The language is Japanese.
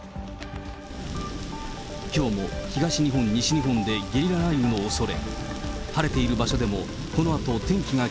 きょうも東日本、西日本でゲリラ雷雨のおそれ。